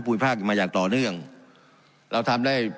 การปรับปรุงทางพื้นฐานสนามบิน